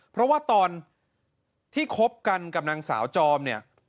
เพราะว่าตอนที่คบกันกับนางสาวจอมเนี่ย